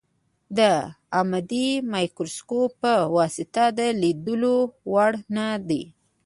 د عادي مایکروسکوپ په واسطه د لیدلو وړ نه دي.